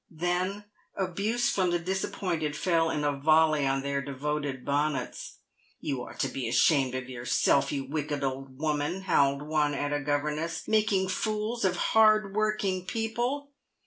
Then abuse from the disappointed fell in a volley on their devoted bonnets. " Tou ought to be ashamed of yourself, you wicked old woman," howled one at the governess, " making fools of hard working people."